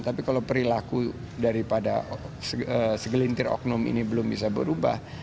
tapi kalau perilaku daripada segelintir oknum ini belum bisa berubah